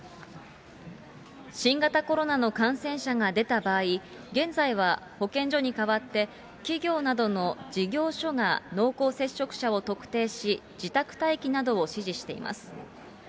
新型コロナの感染者が出た場合、現在は保健所に代わって、企業などの事業所が濃厚接触者を特定し、自宅待機などを指示しています。